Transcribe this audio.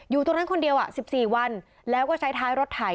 อยู่ตรงนั้นคนเดียว๑๔วันแล้วก็ใช้ท้ายรถถ่าย